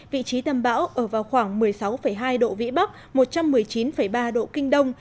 vị trí tâm bão ở vào khoảng một mươi sáu hai độ vĩ bắc một trăm một mươi chín ba độ kinh đông